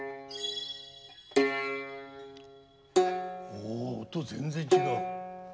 お音全然違う。